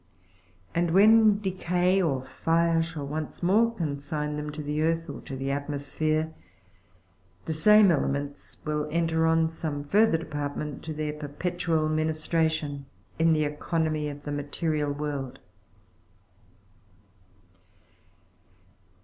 And when decay or fire shall once more consign them to the earth, or to the atmosphere, the same elements will enter on some fur ther department to their perpetual ministration in the economy of the ma terial world."